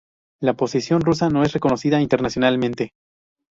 La posición rusa no es reconocida internacionalmente.